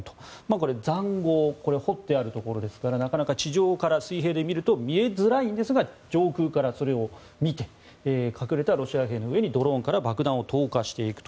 これは塹壕掘ってあるところですからなかなか地上から水平で見ると見えづらいんですが上空からそれを見て隠れたロシア兵の上にドローンから爆弾を投下していくと。